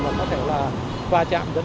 mà có thể là va chạm